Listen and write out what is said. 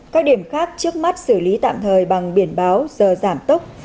các điểm khác trước mắt xử lý tạm thời bằng biển báo giờ giảm tốc